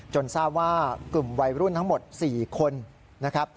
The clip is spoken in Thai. ทราบว่ากลุ่มวัยรุ่นทั้งหมด๔คนนะครับ